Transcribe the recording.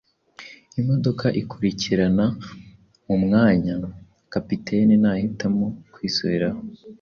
Imodoka-ikurikirana mumwanya, Kapiteni nahitamo kwisubiraho,